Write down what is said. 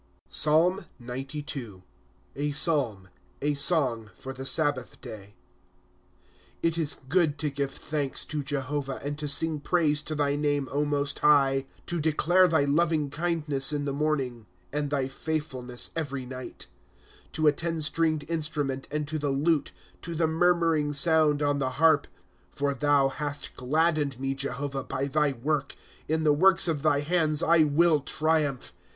PSALMXCII. A Psalm. A Song for the Sabbath Day. 1 It is good to give thanks to Jehovah, And to sing praise to thy name, Most High ;^ To declare thy loving kindness in the morning. And thy faithfulness every night; ^ To a teii striuged instrument, and to the lute, To the murmuring sound on the harp. * For thou hast gladdened me, Jehovah, by thy work ; In the works of thy hands I will triumph.